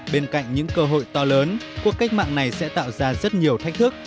bên cạnh những cơ hội to lớn cuộc cách mạng này sẽ tạo ra rất nhiều thách thức